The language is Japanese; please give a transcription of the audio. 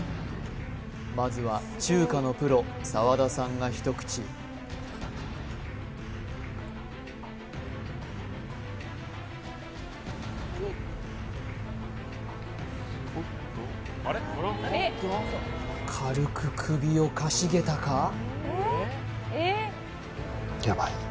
まずは中華のプロ澤田さんが一口軽く首をかしげたか？